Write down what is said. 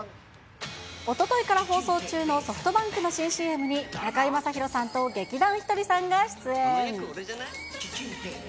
放送中のソフトバンクの新ＣＭに、中居正広さんと劇団ひとりさんが出演。